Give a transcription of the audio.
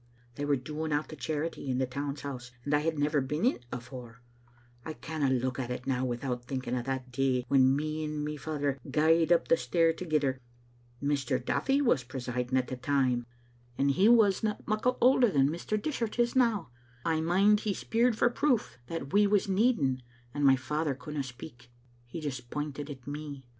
They were doling out the charity in the Town's House, and I had never beenin't afore. I canna look at it now without thinking o' that day When me and my father gaed up the stair thegither. Mr. Duthie was presiding at the time, and he wasna Digitized by VjOOQ IC MD trbe little Ainfatet* muckle older than Mr. Dishart is now. 1 mind hd speired for proof that we was needing, and my father couldna speak. He just pointed at me.